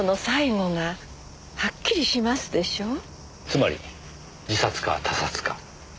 つまり自殺か他殺か。